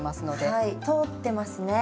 はい通ってますね。